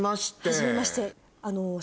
はじめまして。